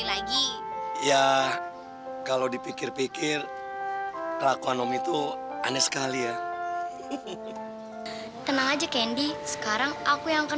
lagi ya kalau dipikir pikir lakonom itu aneh sekali ya tenang aja candi sekarang aku yang akan